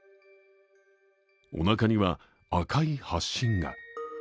おなかには赤い発疹が。